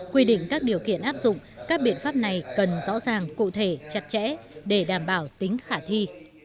quy định các điều kiện áp dụng các biện pháp này cần rõ ràng cụ thể chặt chẽ để đảm bảo tính khả thi